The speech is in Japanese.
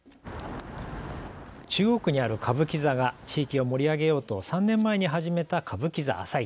中央区にある歌舞伎座が地域を盛り上げようと３年前に始めた歌舞伎座朝市。